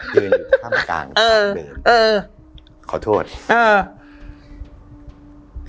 ยืนอยู่ท่ามกลางทางเดินเออเออขอโทษเออ